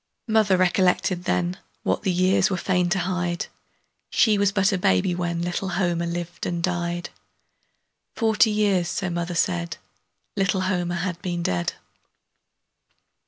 Mother recollected then What the years were fain to hide She was but a baby when Little Homer lived and died; Forty years, so mother said, Little Homer had been dead.